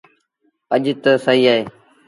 اڄ تا سيٚ اهي